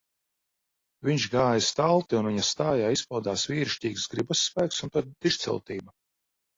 Viņš gāja stalti un viņa stājā izpaudās vīrišķīgs gribas spēks un pat dižciltība.